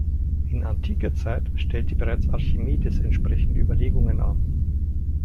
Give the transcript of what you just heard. In antiker Zeit stellte bereits Archimedes entsprechende Überlegungen an.